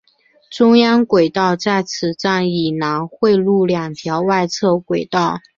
中央轨道在此站以南汇入两条外侧轨道。